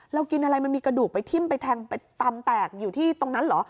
กินอะไรมันมีกระดูกไปทิ้มไปแทงไปตำแตกอยู่ที่ตรงนั้นเหรอ